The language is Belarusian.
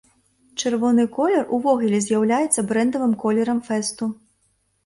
Чырвоны колер увогуле з'яўляецца брэндавым колерам фэсту.